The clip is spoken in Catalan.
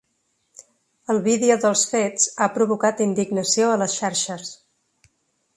El vídeo dels fets ha provocat indignació a les xarxes.